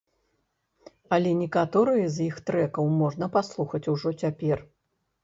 Але некаторыя з іх трэкаў можна паслухаць ужо цяпер.